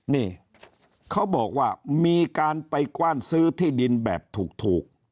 นี่เขาบอกว่ามีการไปกว้านซื้อที่ดินแบบถูก